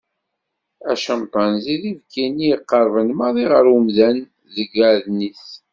Acampanzi d ibki-nni iqerben maḍi ɣer umdan deg adn-is.